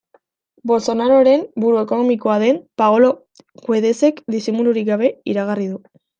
Bolsonaroren buru ekonomikoa den Paolo Guedesek disimulurik gabe iragarri du.